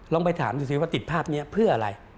ไปถามดูสิว่าติดภาพนี้เพื่ออะไร